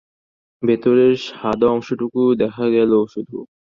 ভেতরের সাদা অংশটুকু দেখা গেল শুধু।